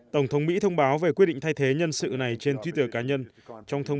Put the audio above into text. tổng thống mỹ thông báo về quyết định thay thế nhân sự này trên twitter cá nhân trong thông